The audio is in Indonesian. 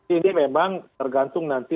ini memang tergantung nanti